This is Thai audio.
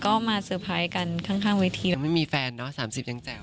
ก็มาเตอร์ไพรส์กันข้างเวทีแต่ไม่มีแฟนเนอะสามสิบยังแจ๋ว